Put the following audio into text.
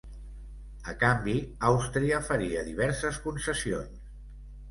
A canvi, Àustria faria diverses concessions.